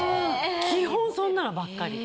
基本そんなのばっかり。